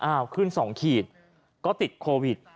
อ้าวขึ้นสองขีดก็ติดโควิด